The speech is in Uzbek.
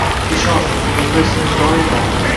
Ishon, bunda seni doimo